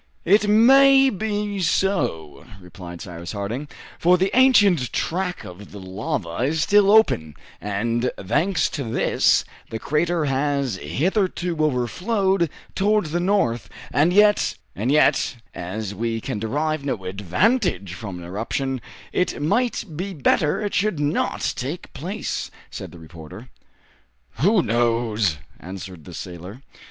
"It may be so," replied Cyrus Harding, "for the ancient track of the lava is still open; and thanks to this, the crater has hitherto overflowed towards the north. And yet " "And yet, as we can derive no advantage from an eruption, it might be better it should not take place," said the reporter. "Who knows?" answered the sailor.